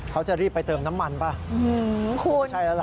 เขาจะรีบไปเติมน้ำมันหรือเปล่า